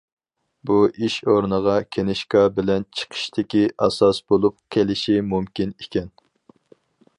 بۇ، ئىش ئورنىغا كىنىشكا بىلەن چىقىشتىكى ئاساس بولۇپ قېلىشى مۇمكىن ئىكەن.